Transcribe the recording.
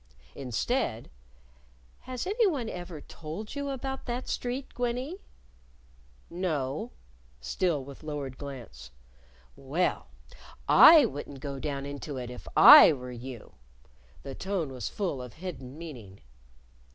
Instead, "Has anyone ever told you about that street, Gwennie?" "No," still with lowered glance. "Well, I wouldn't go down into it if I were you." The tone was full of hidden meaning.